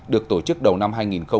được tổ chức đầu năm hai nghìn hai mươi